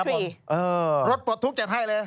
รถปลดทุกข์จัดให้เลย